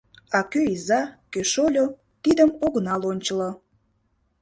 — А кӧ иза, кӧ шольо — тидым огына лончыло...